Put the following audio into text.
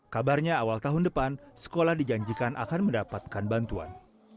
kabarnya awal tahun depan sekolah dijanjikan akan mendapatkan bantuan